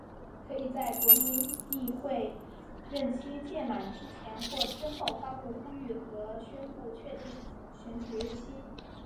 可以在国民议会任期届满之前或之后发布呼吁和宣布确定选举日期。